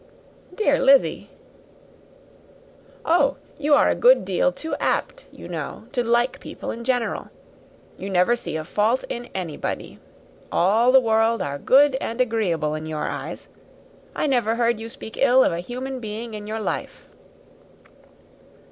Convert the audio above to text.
"Dear Lizzy!" "Oh, you are a great deal too apt, you know, to like people in general. You never see a fault in anybody. All the world are good and agreeable in your eyes. I never heard you speak ill of a human being in my life."